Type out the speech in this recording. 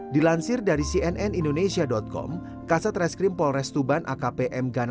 dilansir dari cnnindonesia com kaset reskrim polres tuban akp m